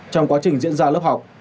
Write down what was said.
trong quá trình diễn ra lớp học